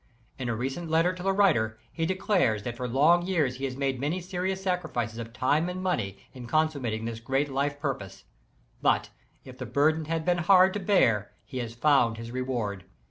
In a recent letter to the writer, he declares that for long years he has made many serious sacrifices of time and money, in consummating this great life purpose. But, if the burden has been hard to bear, he has found his reward.